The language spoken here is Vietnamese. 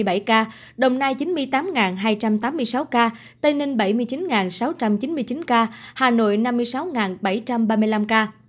các địa phương ghi nhận số ca nhiễm tích lũy cao trong đợt dịch này là thành phố hồ chí minh năm mươi hai trăm tám mươi sáu ca tây ninh bảy mươi chín sáu trăm chín mươi chín ca hà nội năm mươi sáu bảy trăm ba mươi năm ca